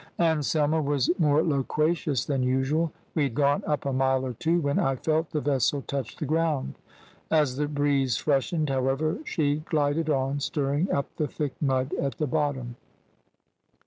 Anselmo was more loquacious than usual. We had gone up a mile or two when I felt the vessel touch the ground. As the breeze freshened, however, she glided on, stirring up the thick mud at the bottom.